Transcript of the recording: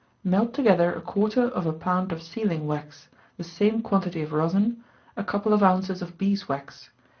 _ Melt together a quarter of a pound of sealing wax, the same quantity of rosin, a couple of ounces of bees' wax.